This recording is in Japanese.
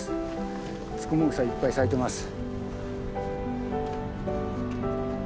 ツクモグサいっぱい咲いてます。